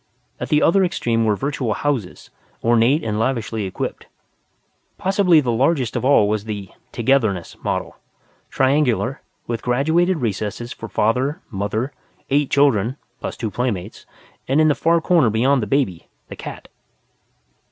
At the other extreme were virtual houses, ornate and lavishly equipped. Possibly the largest of all was the "Togetherness" model, triangular, with graduated recesses for Father, Mother, eight children (plus two playmates), and, in the far corner beyond the baby, the cat.